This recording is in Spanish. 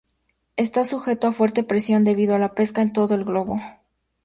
Está sujeto a fuerte presión debido a la pesca en todo el globo.